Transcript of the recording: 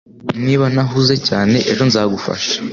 Niba ntahuze cyane ejo nzagufasha